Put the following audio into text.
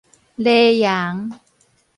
螺陽